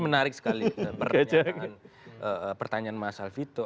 menarik sekali pertanyaan mas alvito